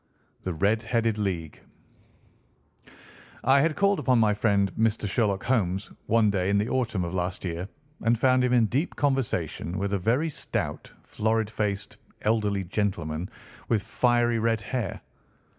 THE RED HEADED LEAGUE I had called upon my friend, Mr. Sherlock Holmes, one day in the autumn of last year and found him in deep conversation with a very stout, florid faced, elderly gentleman with fiery red hair.